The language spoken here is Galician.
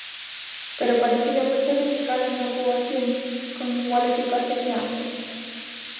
Pero, parécelle a vostede que calan na poboación con igual eficacia que antes?